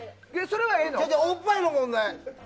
おっぱいの問題？